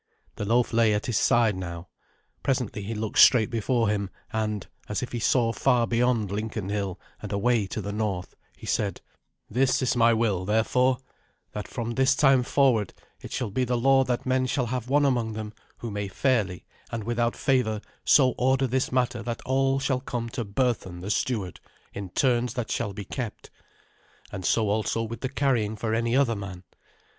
The loaf lay at his side now. Presently he looked straight before him, and, as if he saw far beyond Lincoln Hill and away to the north, he said, "This is my will, therefore, that from this time forward it shall be the law that men shall have one among them who may fairly and without favour so order this matter that all shall come to Berthun the steward in turns that shall be kept, and so also with the carrying for any other man.